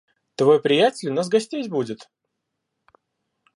Твой приятель у нас гостить будет...